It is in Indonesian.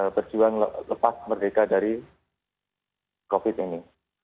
berjuang lepas merdeka dari covid ini